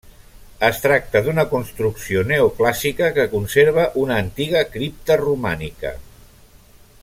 Es tracta d'una construcció neoclàssica que conserva una antiga cripta romànica.